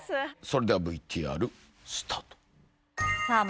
それではＶＴＲスタートさあ